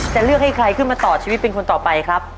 จะเลือกให้ใครขึ้นมาต่อชีวิตเป็นคนต่อไปครับ